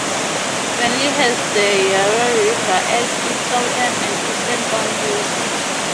Burnley has the Yarra River as its southern and eastern boundaries.